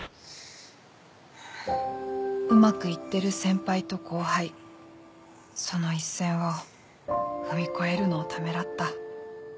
うまくいってる先輩と後輩その一線を踏み越えるのをためらった。